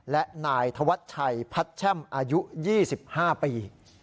และนายธวัชชัยพัดแช่มอายุ๒๕ปี